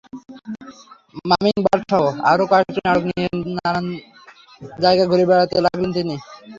মামিং বার্ডসসহ আরও কয়েকটি নাটক নিয়ে নানান জায়গায় ঘুরে বেড়াতে লাগলেন তিনি।